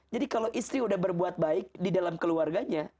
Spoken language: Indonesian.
jadi kalau istri sudah berbuat baik di dalam keluarganya